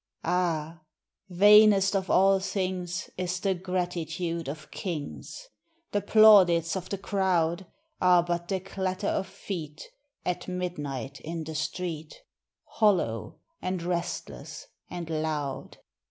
Ah ! vainest of all things Is the gratitude of kings; The plaudits of the crowd Are but the clatter of feet At midnight in the street, Hollow and restless and loud.